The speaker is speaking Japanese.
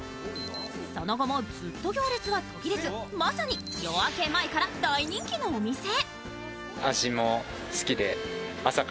その後もずっと行列は途切れず、まさに夜明け前から大人気のお店。